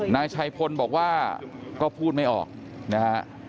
นายชัยพลบอกว่าก็พูดไม่ออกนะฮะ